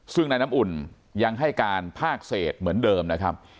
ซึ่งนายน้ำอุ่นยังให้การภาคเศษเหมือนเดิมนะครับ